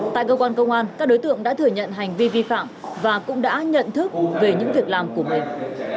tại cơ quan công an các đối tượng đã thừa nhận hành vi vi phạm và cũng đã nhận thức về những việc làm của mình